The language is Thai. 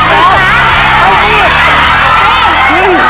เลยรึเปล่า